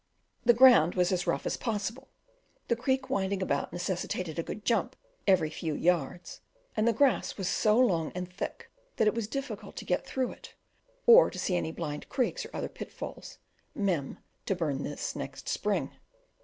The ground was as rough as possible; the creek winding about necessitated a good jump every few yards; and the grass was so long and thick that it was difficult to get through it, or to see any blind creeks or other pitfalls. Mem. to burn this next spring.